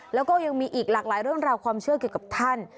แล้วก็ยังมีอีกหลากหลายเรื่องราวความเชื่อเกี่ยวกับท่าน